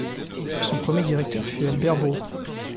Son premier directeur fut Albert Bros.